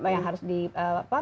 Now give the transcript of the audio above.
yang harus diperbaiki